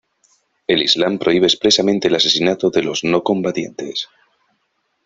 El Islam prohíbe expresamente el asesinato de los no combatientes.